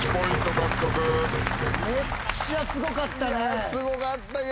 めっちゃすごかったね。